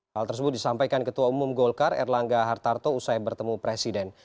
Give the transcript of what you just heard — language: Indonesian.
hal tersebut disampaikan ketua umum golkar erlangga hartarto usai bertemu presiden